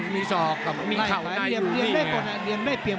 มีเข่าในอยู่นี่ไง